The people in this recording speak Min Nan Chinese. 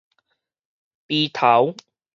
埤頭